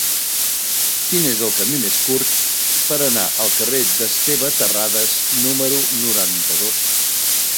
Quin és el camí més curt per anar al carrer d'Esteve Terradas número noranta-dos?